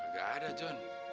gak ada john